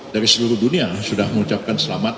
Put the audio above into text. dari seluruh dunia sudah mengucapkan selamat